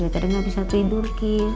tadi gak bisa tidur ki